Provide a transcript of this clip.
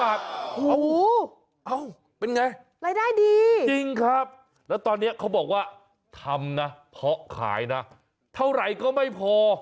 เอาเป็นไงรายได้ดีจริงครับแล้วตอนนี้เขาบอกว่าทำนะเพราะขายนะเท่าไหร่ก็ไม่พอ